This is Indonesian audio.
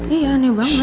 iya aneh banget